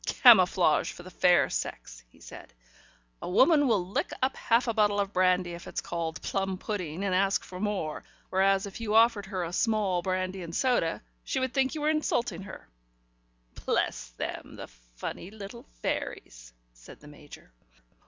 "Camouflage for the fair sex," he said. "A woman will lick up half a bottle of brandy if it's called plum pudding, and ask for more, whereas if you offered her a small brandy and soda, she would think you were insulting her." "Bless them, the funny little fairies," said the Major.